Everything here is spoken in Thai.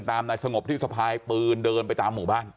นายสงบที่สะพายปืนเดินไปตามหมู่บ้าน